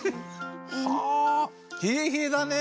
はひえひえだね！